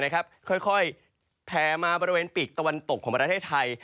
ค่อยแผ่มาบริเวณปีกตะวันตกของประเทศไทย